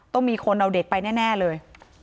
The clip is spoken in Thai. ต้องมีคนเอาเด็กไปแน่เลย